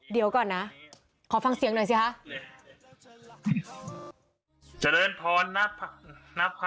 เดี๋ยวก่อนนะขอฟังเสียงหน่อยสิคะ